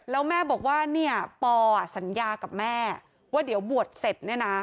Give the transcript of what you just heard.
แล้วแม่บอกว่าเนี่ยปอสัญญากับแม่ว่าเดี๋ยวบวชเสร็จเนี่ยนะ